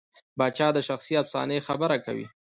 پاچا د شخصي افسانې خبره کوي.